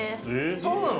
そうなの？